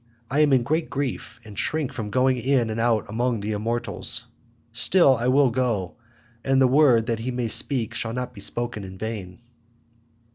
I am in great grief, and shrink from going in and out among the immortals. Still, I will go, and the word that he may speak shall not be spoken in vain."